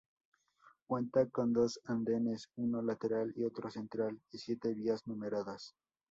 Cuenta con dos andenes, uno lateral y otro central y siete vías numeradas.